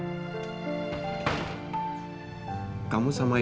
bicara sama ruangan